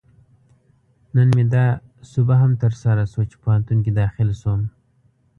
نن مې دا سوبه هم ترسره شوه، چې پوهنتون کې داخل شوم